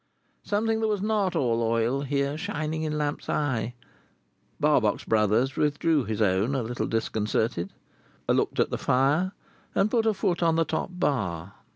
Something that was not all oil here shining in Lamps's eye, Barbox Brothers withdrew his own a little disconcerted, looked at the fire, and put a foot on the top bar.